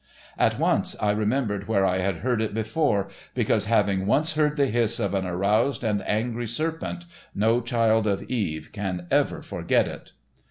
At once I remembered where I had heard it before, because, having once heard the hiss of an aroused and angry serpent, no child of Eve can ever forget it.